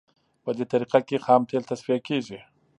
په دې طریقه کې خام تیل تصفیه کیږي